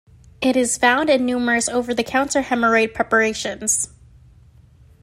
It is found in numerous over-the-counter hemorrhoid preparations.